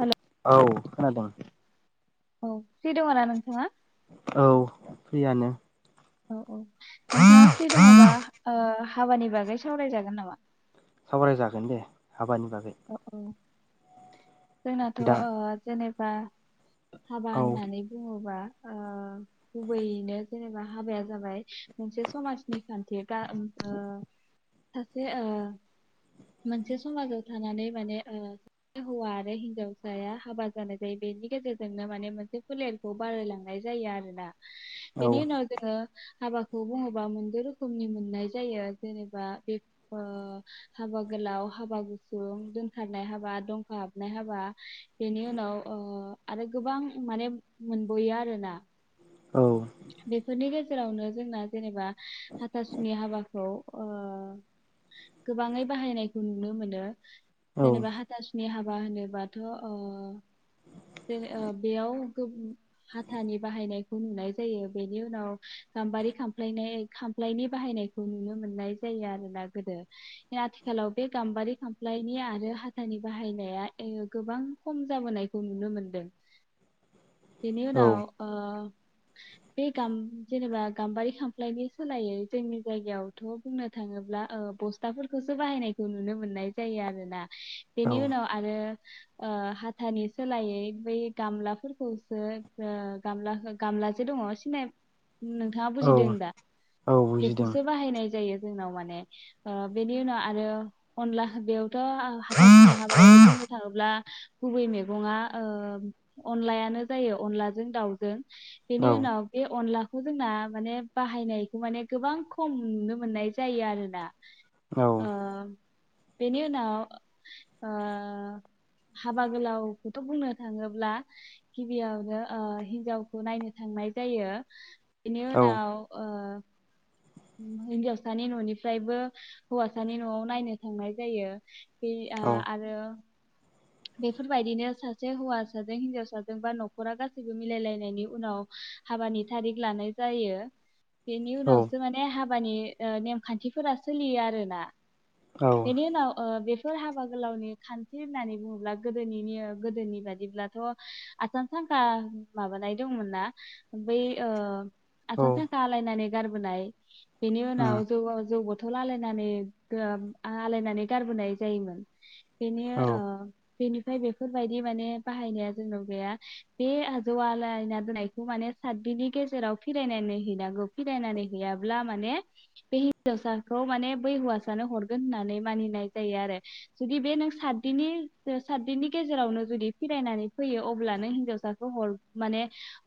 हेल' औ खोनादों। औ फ्रि दङ ना नोंथाङा औ फ्रियानो औ औ नोंथाङा फ्रि दङबा ओ हाबानि बागै सावरायजागोन नामा सावराय जागोन दे हाबानि बागै। जोंनाथ ओ दा जेनेब बा। हाबा औ होननानै बुङोबा। ओ गुबैयैनो जेनेबा हाबाया जाबाय मोनसे समाजनि खान्थि दा ओ सासे ओ मोनसे समाजाव। थानानै माने ओ हौवा आरो हिन्जावसाया हाबा जानाय जायो बेनि गेजेरजोंनो माने मोनसे फोलेरखौ बारायलांनाय जायो आरोना। औ बेनि उनाव जोंङो। हाबाखौ बुङोबा मोन द' रोखोमनि मोननाय जायो जेनेबा बेओ हाबा गोलाव हाबा गु सुं दोनथारनाय हाबा दंखा हाबनाय हाबा बेनि उनाव ओ आरो गोबां माने मोनबोयो आरोना। औ बेफोरनि गे जेरावनो जोंना जेनेबा हाथासुनि हाबाखौ ओ गोबाङै बाहायनायखौ नुनो मोनो। जेनेबा हाथासुनि हा बा होनोबाथ ओ जेने ओ बेयाव हाथानि बाहायनायखौ नुनाय जायो बेनि उनाव गाम्बारि खफ्लायनाय खामफ्लायनि बाहायनायखौ नुनो मोननाय जायो आरोना गोदो आथिखालाव बे गाम्बारि खामफ्लायनि आरो हाथानि बाहायनाया ओ गोबां खम जाबोनायखौ नुनो मोनदों। बेनि औ उनाव ओ। बे गाम जेनेबा गाम्बारि खामफ्लायनि सोलायै जोंनि जायगायावथ बुंनो थाङोब्ला ओ बस्थाफोरखौसो बाहायनायखौ नुनो मोननाय जायो आरोना। औ बेनि उनाव आरो। ओ हाथानि सोलायै बै गामलाफोरखौसो गामला हो गामलाजे दङ सिनाय नोंथाङा औ बुजिदों दा औ बुजिदों बेखौसो बाहायनाय जायो। जोंनाव माने ओ बेनि उनाव आरो अनला बेयाव थ' ओ औ हाथासुनि हाबायाव बुंनो थाङो ब्ला गुबै मैगङा ओ अनलायानो जायो अनलाजों दाउजों। औ बेनि उनाव बे अनलाखौ जोंना माने बाहायनायखौ माने गोबां खम नुनो मोननाय जायो आरोना। औ ओ बेनि उनाव ओ हाबा गोलावखौथ बुंनो थाङोब्ला गिबियावनो खौ नायनो थांनाय जायो। बिनि औ उनाव ओ। हिनजावसानि न'निफ्रायबो हौवासानि न'आव नायनो थांनाय जायो बे आ औ आरो बेफोरबायदिनो सासे हौवा सासे हिनजावसाजों बा नखरा गासैबो मिलायलायनायनि उनाव हाबानि थारिख लानाय जायो। बेनि उनावसो माने हाब बानि ओ नेमखान्थिफोरा सोलियो आरो ना। औ बेनिउनाव ओ बे। फोर हाबा गोलावनि खान्थि होननानै। बुङोब्ला गोदोनि ने गोदोनि बादिब्लाथ आसान सांखा माबानाय दंमोन ना बै ओ आसान सांखा उम आलायनानै गारबोनाय बेनि उनाव जौ जौ बथल आलायनानै ओ आलायनानै गारबोनाय जायोमोन बेनि ओ औ बेनिफ्राय बेफोरबायदि माने बाहायनाया जोंनाव गैया बे आजौ आलायना दोनायखौ माने सातदिननि गेजेराव फिरायनानै हैनांगौ फिरायनानै हैयाब्ला माने बे हिनजावसाखौ माने बै हौवासानो हरगोन होननानै मानिनाय जायो आरो। जुदि बे नों सातदिननि सातदिननि गेजेरावनो जुदि फिरायनानै फैयो अब्लानो हिन्जावसाखौ हर माने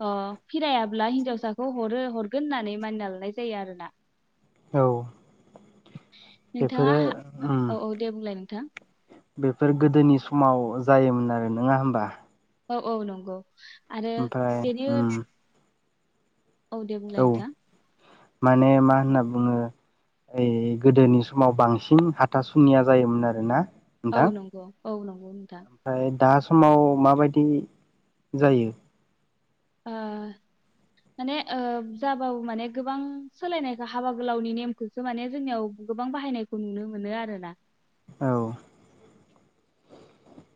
अह फिरायाब्ला हिन्जावसाखौ हरो हरगोन होननानै मानिना लानाय जायो आरोना औ बेफोरो नोंथाङा उम औ औ दे बुंलाय नोंथां। बेफोर गोदोनि समाव जायोमोन आरो नङा होमबा? औ औ नंगौ। आरो ओमफ्राय बेनि उम औ दे बुंलाय नोंथां। माने मा होनना बुङो ओइ गोदोनि समाव बांसिन हाथासुनिया जायोमोन आरोना? औ नोंथां नंगौ। औ नंगौ। नोंथां ओमफ्राय दास समाव माबायदि जायो? ओ माने ओ जाबाबो माने गोबां सोलायनायखौ हाबा गोलावनि नेमखौसो माने जोंनियाव गोबां बाहायनायखौ नुनो मोनो आरोना औ।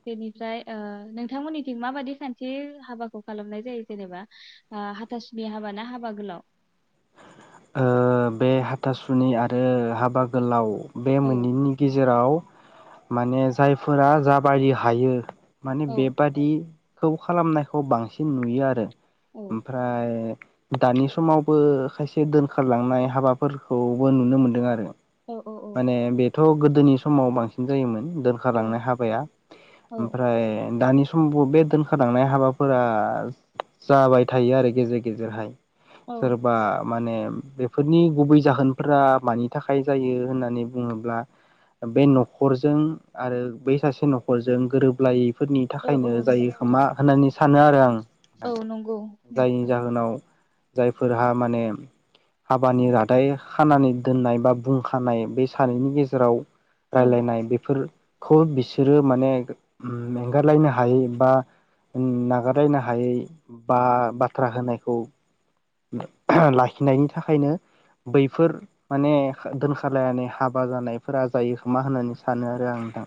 बेनिफ्राय ओ नोंथांमोननिथिं माबादि खान्थि हाबाखौ खालामनाय जायो जेनेबा हाथासुनि हाबा ना हाबा गोलाव? ओ बे हाथासुनि आरो हाबा गोलाव बे औ मोननैनि गेजेराव माने जायफोरा जाबायदि हायो। माने औ बेबादि खौ खालामनायखौ बांसिन नुयो आरो। औ ओमफ्राय दानि समावबो खायसे से दोनखारलांनाय हाबाफोरखौबो नुनो मोन्दों आरो। औ औ माने बेथ' गो गोदोनि समाव बांसिन जायोमोन। औ दोनखारलांनाय हाबाया ओमफ्राय सम बे दोनखालांनाय हाबाफोरा जाबाय थायो आरो गेजेर गेजेरहाय। औ सोरबा। माने बेफोरनि गुबै जाहोनफोरा मानि थाखाय जायो होननानै बुङोब्ला बे न'खरजों आरो बै सासे न'खरजों गोरोबलाय फोरनि औ थाखायनो औ जायो नंगौ नोंथां खोमा होननानै सानो आरो आं। औ नंगौ नोंथां जायनि जाहोनाव जायफोरहा माने हाबानि रादाय खानानै दोननाय बा बुंखानाय बे सानैनि गेजेराव औ राय्लायनाय बेफोर खौ बिसोरो माने एंगारलायनो हायै बा नागारलायनो हायै बा बाथ्रा होनायखौ लाखिनायनि थाखायनो बैफोर माने दोनखारलायनानै हाबा जानायफोरा जायो खोमा होननानै सानो आरो आं नोंथां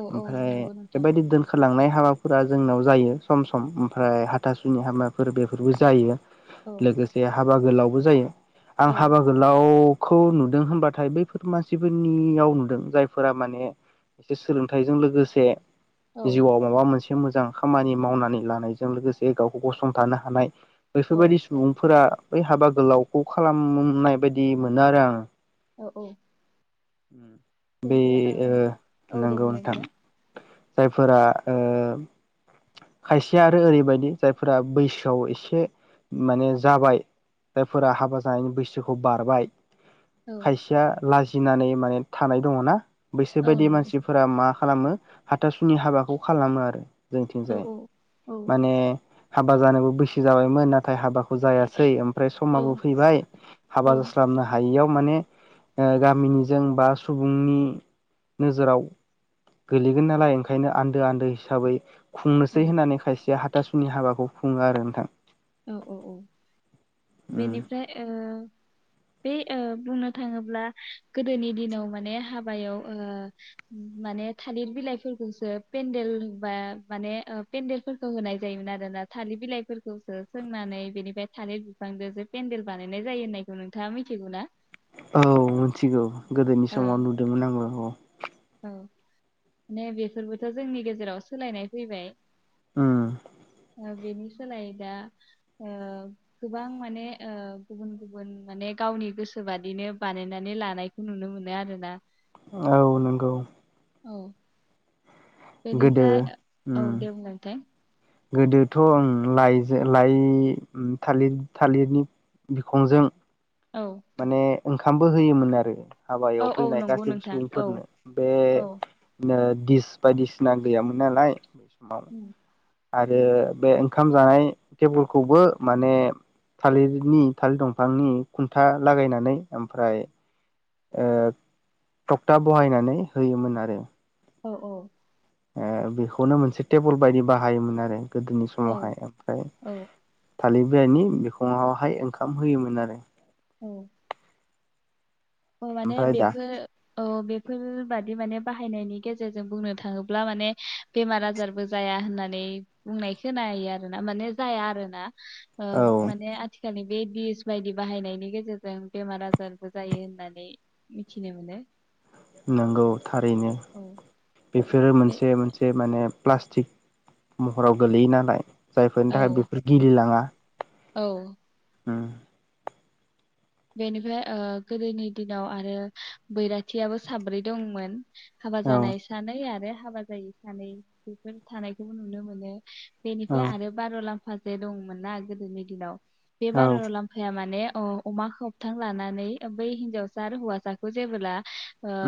औ औ ओमफ्राय नंगौ नोंथां बेबायदि दोनखारलांनाय हाबा फुरा जोंनाव जायो सम सम ओमफ्राय हाथासुनि हाबाफोर बेफोरबो जायो औ लोगोसे हाबा गोलावबो जायो आं औ हाबा गोलाव खौ नुदों होनबाथाय बैफोर मानसिफोरनियाव नुदों जायफोरा माने एसे सोलोंथाइजों लोगोसे औ जिउआव माबा मोनसे से मोजां खामानि मावनानै लानायजों लोगोसे गावखौ गसंथानो हानाय औ बेफोरबायदि सुबुंफोरा बै हाबा गोलावखौ खालामनाय बायदि मोनो आरो आं औ औ उम औ दे बुंनायसाय जाय फोर खायसे आरो ओरैबायदि जायफोरा बैसोआव एसे माने जाबाय जायफोरा हाबा जानायनि बैसोखौ बारबाय औ खायसेया लाजि गिनानै माने थानाय दङ ना बैसोर औ बायदि नंगौ मानसिफोरा मा खालामो हा ताथासुनि हाबाखौ खालामो आरो औ जोंथिंजाय औ माने हाबा जानोबो बैसि जाबायमोन ना नाथाय हाबाखौ जायासै ओमफ्राय औ समाबो फैबाय औ हाबा जास्लाबनो हायियाव माने गामिनिजों बा सुबुंनि नोजोराव गोलैगोन नालाय ओंखायनो आन्दो आन्दो हिसाबै खुंनोसै औ होननानै खायसेया हा तासुनि हाबाखौ खुङो आरो नोंथां औ औ औ उम बेनिफ्राय बे बुंनो थाङोब्ला गोदोनि दिनाव माने हाबायाव माने थालिर बिलाइफोरखौसो पेन्देल बा माने पेन्देलफोरखौ होनाय जायोमोन आरो ना थालिर बिलाइफोरखौसो सोंनानै बेनिफ्राय थालिर बिफांजों जो पेन्देल बानायनाय जायो होननायखौ नोंथाङा मिथिगौ ना औ मिथिगौ गोदोनि ओ समाव नुदोंमोन आङो औ माने बेफोरबोथ' जोंनि गेजेराव सोलायनाय फैबाय [inaudible] बेनि सोलायै दा गोबां माने गुबुन गुबुन माने गावनि गोसो बादिनो बानायनानै लानायखौ नुनो मोनो आरोना औ नंगौ औ गोदो बेनिफ्राय उम औ दे बुंलाय नोंथां गोदोथ' आं लाइजों लाइ थालिर थालिरनि बिखंजों औ माने ओंखामबो होयोमोन आरो औ हाबायाव औ फैनाय नंगौ गासैबो नोंथां औ सुबुंफोरनो बे औ ओ दिस बायदिसिना गैयामोन नालाय समाव उय आरो बे ओंखाम जानाय टेबोलखौबो माने थालिरनि थालिर दंफांनि खुन्था लागायनानै ओमफ्राय ओ थक्था बहायनानै होयोमोन आरो औ औ ओ बेखौनो मोनसे टेबोल बायदि बाहायोमोन आरो गोदोनि औ समावहाय ओमफ्राय औ थालिर बिलाइनि बिखुङाव हायो ओंखाम होयोमोन आरो औ औ माने ओमफ्राय दा बेफोर औ बे बेफोरबादि माने बाहायनायनि गेजेरजों बुंनो थांङोब्ला माने बेमार आजारबो जाया होननानै बुंनाय खोनायो आरो ना माने जाया आरो ना ओ औ माने बेखानो बे डिस बायदि बाहायनायनि गेजेरजों बेमार आजारबो जायो होननानै मिथिनो मोनो नंगौ थारैनो औ बे बेफोरो बे मोनसे मोनसे माने प्लास्टिक महराव गोलैयो नालाय जायफोरनि थाखाय औ बेफोर गिलिलांङा औ उम बेनिफ्राय ओ गोदोनि दिनाव आरो बैराथियाबो साब्रै दंमोन हाबा औ जानाय सानै आरो हाबा जायो सानै बेफोर थानायखौबो नुनो मोनो औ बेनिफ्राय आरो बारलाम म्फा जे दंमोन ना गोदोनि दिनाव बे औ बारलाम्फाया माने अ अमा खोबथां लानानै बै हिन्जावसा आरो हौवासाखौ जेबोला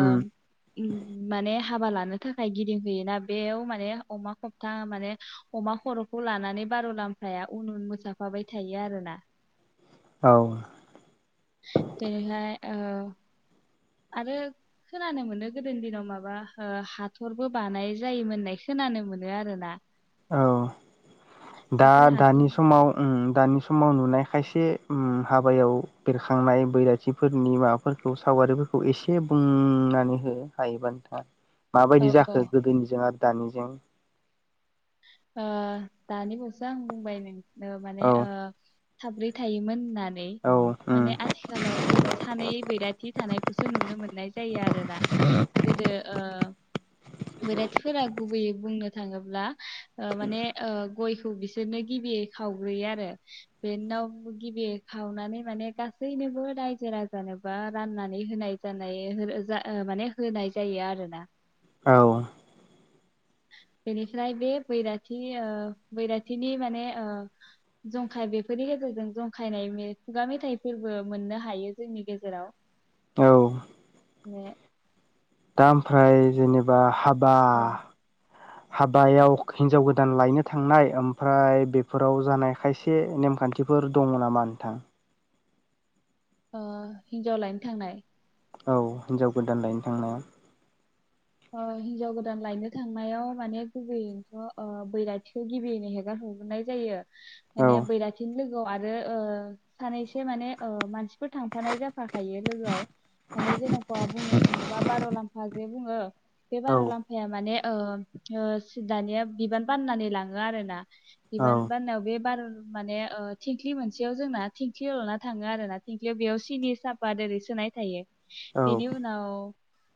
उम माने हाबा लानो थाखाय गिदिंहैयोना बेयाव माने अमा खबथा माने अमा खर'खौ लानानै बारुलामफाया उन उन मोसाफाबाय थायो आरोना औ बेेहाय ओ आरो खोनानो मोनो गोदोनि दिनाव माबा हाथरबो बानाय जायोमोन होननाय खोनानो मोनो आरोना औ दा बेफोर हाथर दानि समाव दानि समाव नुनाय खायसे हाबायाव बेरखांनाय बैराथिफोरनि माबाफोरखौ सावगारिफोरखौ एसे बुंनानै हो हायोबा नोंथाङा औ माबायदि औ जाखो गोदोनिजों आरो दानि [inaudible] दानिखौसो आं बुंबाय नों माने औ ओं। साब्रै थायोमोन होननानै औ माने उम आथिखालाव जों सानै बैराथि थानायखौसो नुनो मोननाय जायो आरोना गोदो बैराथिफोरा गुबैयै बुंनो थाङोब्ला ओं माने ओं गयखौ बिसोरनो गिबियै खावग्रोयो आरो बिनि उनाव गिबियै खावनानै माने गासैनोबो रायजो राजानोबा राननानै होनाय जानाय माने होनाय जायो आरोना। औ। बेनिफ्राय बे बैराथि बैराथिनि माने जंखाय बेफोरनि गेजेरजों जंखायनाय खुगा मेथाइफोरबो मोननो हायो जोंनि गेजेराव। औ। [inaudible] दा आमफ्राय जेनेबा हाबा औ बा। हाबायाव हिनजाव गोदान लायनो थांनाय ओमफ्राय बेफोराव जानाय खायसे नेमखान्थिफोर दङ नामा नोंथां। हिनजाव लायनो थांनाय। औ हिनजाव गोदान लायनो थांनाया। हिनजाव गोदान लायनो थांनायाव माने गुबैयैथ' बैराथिखौ गिबियैनो हेगार हरग्रोननाय जायो। माने औ बैराथिनि लोगो लोगो आरो सानैसो माने मानसिफोर थांफानाय जाफाखायो लोगोआव। माने जेन'खा बुंनो थाङोबा बार' लाम्फा जे बुंङो। बे औ बार'लाम्फाया माने दानिया बिबान बाननानै लाङो आरोना। औ बिबान बानायाव बे बार' माने थिंख्लि मोनसेयाव जोंना थिंख्लि एलना थाङो आरोना थिंख्लियाव बेयाव सिनि साफात ओरै सोनाय थायो। बिनि औ उनाव।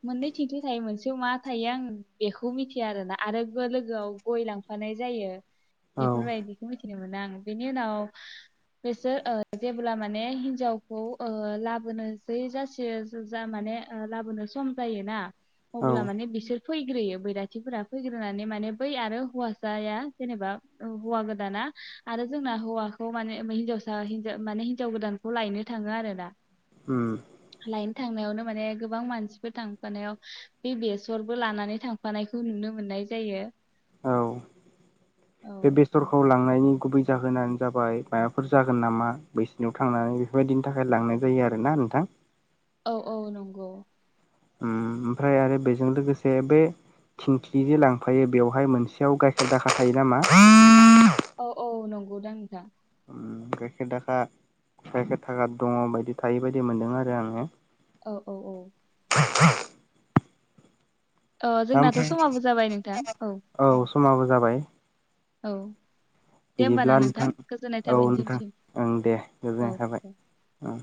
मोननै थिख्लिं थायो मोन मा थायो आं बेखौ मिथिया आरोना आरो लोगोआव गय लांफानाय जायो। औ बेेफोर बायदिखौ [unintelligible] मोनो आं बेनि उनाव बिसोर ओ जेब्ला माने हिनजावखौ ओ लाबोनोसै जासियो जा माने लाबोनो सम जायोना औ अब्ला माने बिसोर फैग्रोयो बैराथिफोरा फैग्रोनानै माने बै आरो हौवासाया जेनेबा हौवा गोदाना आरो जोंना हौवाखौ माने हिनजावसा माने हिनजाव गोदानखौ लायनो थाङो आरोना। ओम। लायनो थांनायावनो माने गोबां मानसिफोर थांफानायाव बे बेसरबो लानानै थांफानायखौ नुनो मोननाय जायो। औ बे औ बेसरखौ लांनायनि गुबै जाहोनानो जाबाय माबाफोर जागोन नामा बैसिनियाव थांनानै बेफोरबायदिनि थाखाय लांनाय जायो आरोना नोंथां? औ औ नंगौ। ओम ओमफ्राय आरो बेजों लोगोसे बे थिंख्लि जे लांफायो बेवहाय मोनसेयाव गाइखेर दाखा थायो नामा? औ औ नंगौदां नोंथां। गाइखेर दाखा गाइखेर थाखा दङ बायदि थायो बायदि मोनदों आरो आङो। औ औ औ। [unintelligible] अ दा जोंनाथ' ओमफ्राय समाबो जाबाय नोंथां औ। समाबो जाबाय। औ। दे होमबाना बिदिब्ला नोंथां गोजोननाय औ थाबाय नोंथां नोंथांनिसिम ओं दे औ गोजोननाय थाबाय औ ओं।